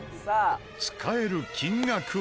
使える金額は。